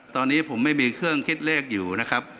ตอนนี้ผมไม่มีเครื่องคิดเลขอยู่นะครับ